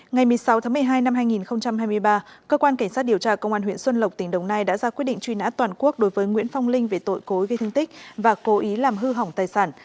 ngày một mươi sáu tháng một mươi hai năm hai nghìn hai mươi ba cơ quan cảnh sát điều tra công an huyện xuân lộc tỉnh đồng nai đã ra quyết định truy nã toàn quốc đối với nguyễn phong linh về tội cố ý gây thương tích và cố ý làm hư hỏng tài sản